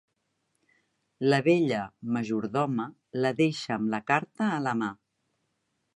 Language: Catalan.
La vella majordoma la deixa amb la carta a la mà.